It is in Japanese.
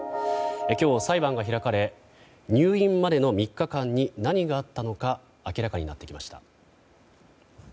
今日、裁判が開かれ入院までの３日間に何があったのか明らかになってきました。